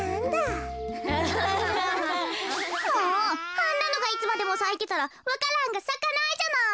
あんなのがいつまでもさいてたらわか蘭がさかないじゃない。